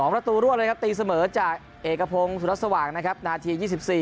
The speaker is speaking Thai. ประตูรวดเลยครับตีเสมอจากเอกพงศุรสว่างนะครับนาที๒๔